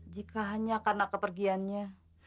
jika hanya karena kepergiannya